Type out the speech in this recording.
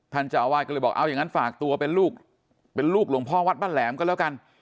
เจ้าอาวาสก็เลยบอกเอาอย่างนั้นฝากตัวเป็นลูกเป็นลูกหลวงพ่อวัดบ้านแหลมก็แล้วกัน